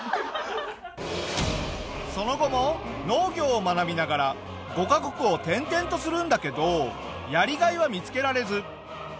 その後も農業を学びながら５カ国を転々とするんだけどやりがいは見つけられず。